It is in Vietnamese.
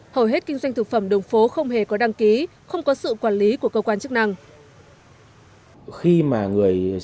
hầu hết kinh doanh thực phẩm đường phố không hề có đăng ký không có sự quản lý của cơ quan chức năng